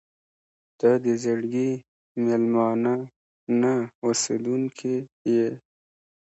• ته د زړګي مېلمانه نه، اوسېدونکې یې.